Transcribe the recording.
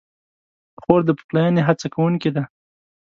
خور د پخلاینې هڅه کوونکې ده.